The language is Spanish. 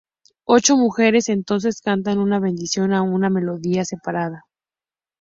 Ocho mujeres entonces cantan una bendición a una melodía separada.